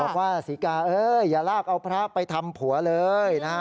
บอกว่าสิกาอย่าลากเอาพระไปทำผัวเลยนะ